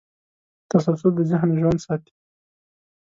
تسلسل د ذهن ژوند ساتي.